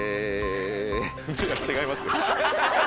違います。